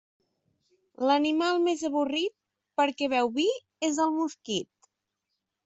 L'animal més avorrit, perquè beu vi, és el mosquit.